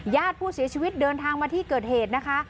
ญาติผู้เสียชีวิตเดินทางมาที่เกิดเหตุนะคะ